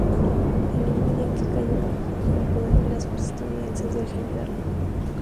El mismo día en que cayó en poder de las fuerzas estadounidenses del Gral.